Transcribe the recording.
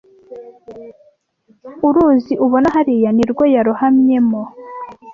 Uruzi ubona hariya nirwo yarohamye mo